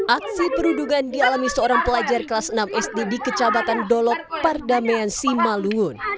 aksi perundungan dialami seorang pelajar kelas enam sd di kecamatan dolok pardamaian simalungun